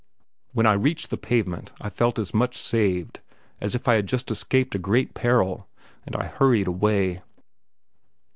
When I reached the pavement I felt as much saved as if I had just escaped a great peril, and I hurried away.